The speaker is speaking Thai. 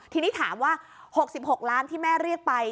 ทีนี้ถามว่า๖๖ล้านที่แม่เรียกไป